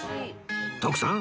徳さん